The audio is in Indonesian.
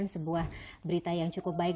sebuah berita yang cukup baik